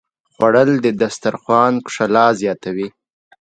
خوړل د دسترخوان ښکلا زیاتوي